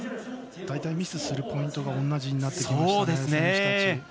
大体、ミスするポイントが同じになってきましたね。